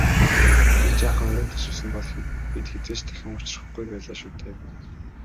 Би жаахан оройтож ирсэн бол бид хэзээ ч дахин учрахгүй байлаа шүү дээ.